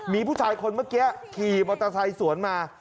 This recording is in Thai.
มีผู้ชายคนเมื่อกี้ขี่มอเตอร์ไซค์สวนมา